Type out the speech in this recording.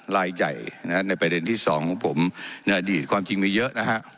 ลายใหญ่นะฮะในประเด็นที่สองของผมในอดีตความจริงมีเยอะนะฮะ